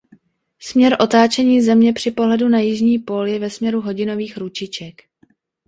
Směr otáčení Země při pohledu na jižní pól je ve směru hodinových ručiček.